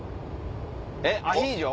えっアヒージョ？